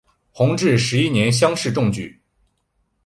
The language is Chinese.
弘治十一年乡试中举。